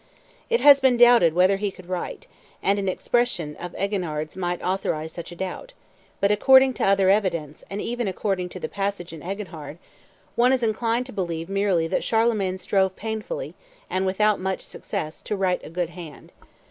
It has been doubted whether he could write, and an expression of Eginhard's might authorize such a doubt; but, according to other evidence and even according to the passage in Eginhard, one is inclined to believe merely that Charlemagne strove painfully, and without much success, to write a good hand.